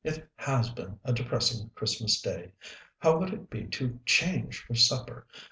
"It has been a depressing Christmas Day. How would it be to change for supper?